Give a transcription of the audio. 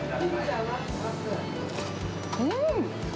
うん！